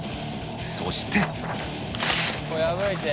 そして。